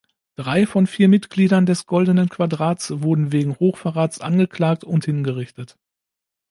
Drei von vier Mitgliedern des Goldenen Quadrats wurden wegen Hochverrats angeklagt und hingerichtet.